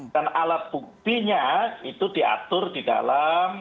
dan alat buktinya itu diatur di dalam